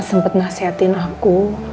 sempet nasihatin aku